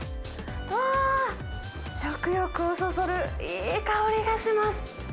あー、食欲をそそる、いい香りがします。